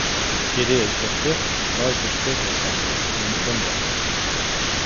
It is the fifth largest business center in Finland.